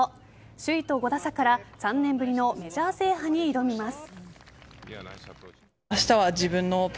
首位と５打差から３年ぶりのメジャー制覇に挑みます。